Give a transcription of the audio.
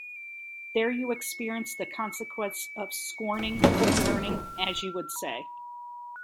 There you experience the consequence of scorning “book-learning,” as you would say.